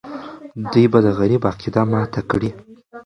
دوی به د غرب عقیده ماته کړي.